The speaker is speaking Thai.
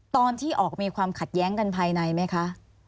ตอนที่ออกมีความขัดแย้งกันภายในไหมคะ